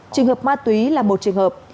trường hợp ma túy là một trường hợp